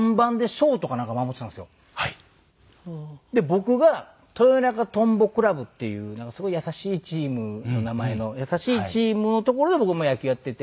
僕が豊中トンボクラブっていうすごい優しいチームの名前の優しいチームのところで僕も野球やってて。